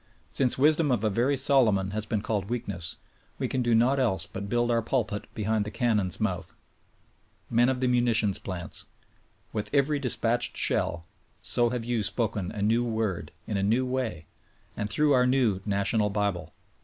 Since wisdom of a very Solomon has been called weakness, we can do naught else but build our pulpit behind the cannon's mouth. Men of the munitions plants : With every dispatched shell so have you spoken a new word, in a new way, and through our new national bible.